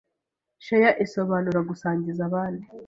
Share isobanura gusangiza abandi